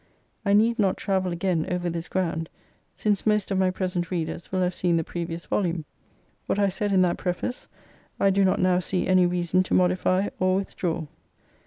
I need not travel again over this ground, since most of my present readers will have seen the previous volume. What I said in that preface I do not now sec any reason to modify or withdraw.